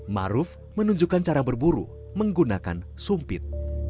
maruf menunjukkan cara berburu menggunakan sumpit